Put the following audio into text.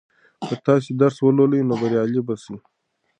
که تاسې درس ولولئ نو بریالي به سئ.